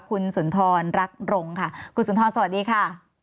คุณสุนทรรักรงค่ะคุณสุนทรสวัสดีค่ะ